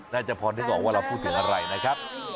จะพรได้บอกว่าเราพูดถึงอะไรนะครับ